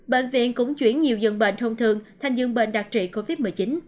bệnh viện cũng chuyển nhiều dựng bệnh thông thường thành dựng bệnh đạt trị covid một mươi chín